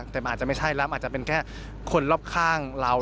แต่มันอาจจะไม่ใช่แล้วมันอาจจะเป็นแค่คนรอบข้างเรา